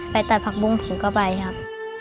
ไปตัดผลักบุ้งผมก็ไปครับ